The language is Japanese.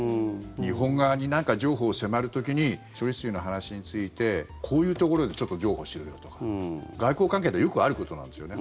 日本側に何か譲歩を迫る時に処理水の話についてこういうところでちょっと譲歩しろよとか外交関係ではよくあることなんですよね。